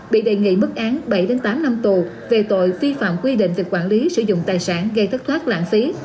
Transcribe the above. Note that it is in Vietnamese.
bị đề nghị mức án bảy tám năm tù về tội vi phạm quy định về quản lý sử dụng tài sản gây thất thoát lãng phí